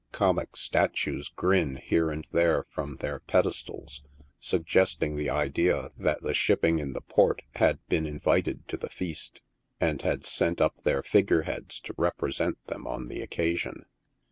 Comic statues grin here and there from their pedestals, suggesting the idea that the shipping in the port had been invited to the feast, and had sent up their figure heads to represent them on the occasion.